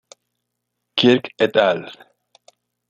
Kirk et al.